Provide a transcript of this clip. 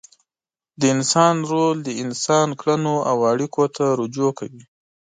د انسان رول د انسان کړنو او اړیکو ته رجوع کوي.